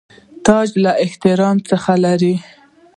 تاج له اختر څخه لري.